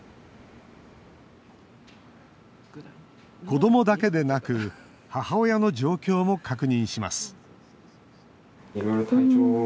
子どもだけでなく母親の状況も確認します